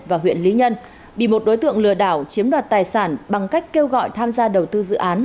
và huyện lý nhân bị một đối tượng lừa đảo chiếm đoạt tài sản bằng cách kêu gọi tham gia đầu tư dự án